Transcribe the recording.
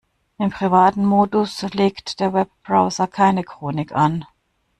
Im privaten Modus legt der Webbrowser keine Chronik an.